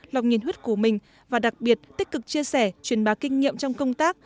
lòng nhiệt huyết của mình và đặc biệt tích cực chia sẻ truyền bá kinh nghiệm trong công tác